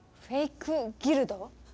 「フェイク・ギルド」？